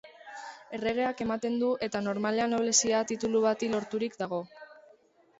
Erregeak ematen du eta normalean noblezia titulu bati loturik dago.